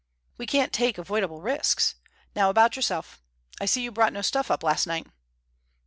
"We can't take avoidable risks. Now about yourself. I see you brought no stuff up last night?"